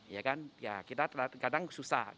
ya kan ya kita kadang susah